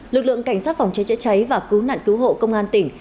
lực lượng cảnh sát phòng chế chế cháy và cứu nạn cứu hộ công an tỉnh